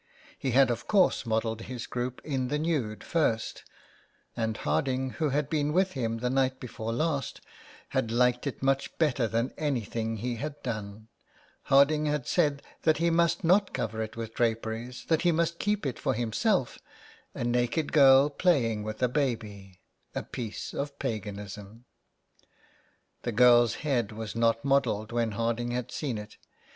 He had of course modelled his group in the nude first, and Harding, who had been with him the night before last, had liked it much better than anything he had done, Harding had said that he must not cover it with draperies, that he must keep it for himself, a naked girl playing with a baby, a piece of paganism. The girl's head was not modelled when Harding had seen it.